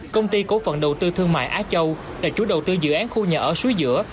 công ty cổ phần đầu tư thương mại á châu là chú đầu tư dự án khu nhà ở suối giữa